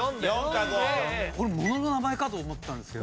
俺物の名前かと思ったんですけど。